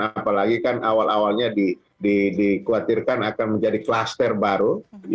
apalagi kan awal awalnya dikhawatirkan akan menjadi kluster baru